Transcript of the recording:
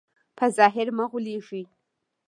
په ظاهر مه غولېږئ.